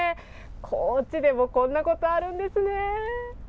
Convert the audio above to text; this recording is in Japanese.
高知でもこんなことあるんですね。